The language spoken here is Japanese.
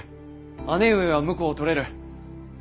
姉上は婿を取れる。